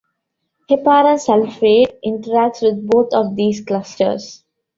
Heparan sulfate interacts with both of these clusters.